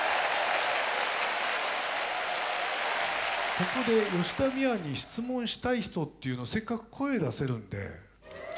ここで吉田美和に質問したい人っていうのせっかく声出せるんで。